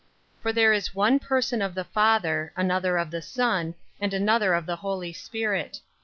5. For there is one person of the Father, another of the Son, and another of the Holy Spirit.